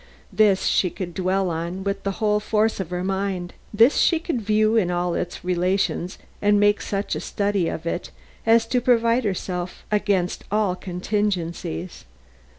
This she could dwell on with the whole force of her mind; this she could view in all its relations and make such a study of as to provide herself against all contingencies.